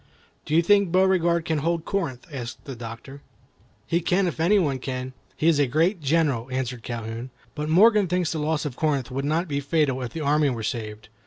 "Do you think Beauregard can hold Corinth?" asked the Doctor. "He can if any one can. He is a great general," answered Calhoun. "But Morgan thinks the loss of Corinth would not be fatal if the army were saved.